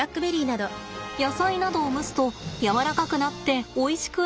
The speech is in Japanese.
野菜などを蒸すとやわらかくなっておいしくなりますよね。